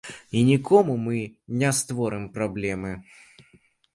І нікому мы не створым праблемы.